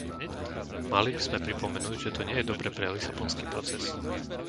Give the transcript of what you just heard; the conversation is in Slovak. Mali by sme pripomenúť, že to nie je dobré pre lisabonský proces.